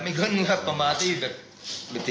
ไม่ขึ้นครับพอมาที่แบบ